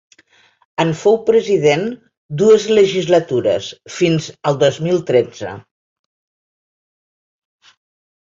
En fou president dues legislatures, fins al dos mil tretze.